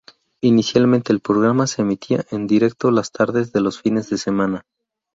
Inicialmente, el programa se emitía en directo las tardes de los fines de semana.